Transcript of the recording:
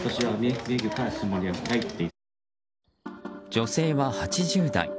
女性は８０代。